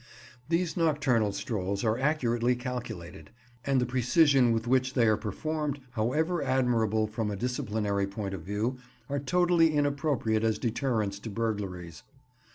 These nocturnal strolls are accurately calculated, and the precision with which they are performed, however admirable from a disciplinary point of view, are totally inappropriate as deterrents to burglaries.